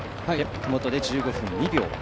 手元で１５分２秒。